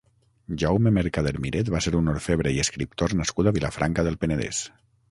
Jaume Mercader-Miret va ser un orfebre i escriptor nascut a Vilafranca del Penedès.